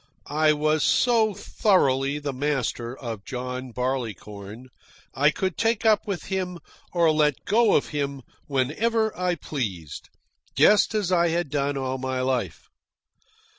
I was so thoroughly the master of John Barleycorn I could take up with him or let go of him whenever I pleased, just as I had done all my life.